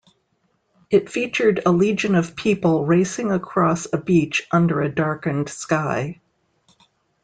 It featured a legion of people racing across a beach under a darkened sky.